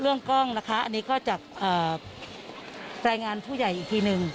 เรื่องกล้องนะคะอันนี้ก็จากแรงงานผู้ใหญ่อีกทีนึง